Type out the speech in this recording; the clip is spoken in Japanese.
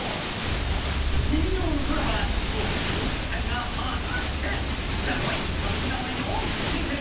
耳王のソラはショウタに追いつきたいがはたして⁉茶の間戦士のみんなもよく聞いてね！